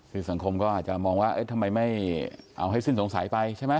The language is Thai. คือสังคมก็อาจจะมองว่าเอ๊ะทำไมไม่เอาให้สิ้นสงสัยไปใช่ไหม